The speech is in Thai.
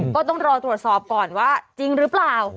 ก็ต้องรอตรวจสอบก่อนว่าจริงหรือเปล่า